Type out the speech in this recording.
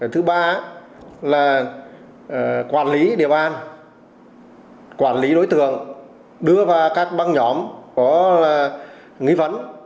thứ ba là quản lý địa bàn quản lý đối tượng đưa vào các băng nhóm có nghi vấn